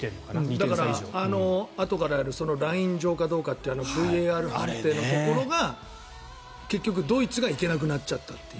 だから、あとでやるライン上かどうかっていうＶＡＲ判定のところが結局ドイツが行けなくなっちゃったという。